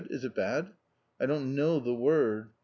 Is it bad? I don't know the word.